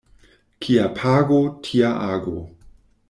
Kia pago, tia ago.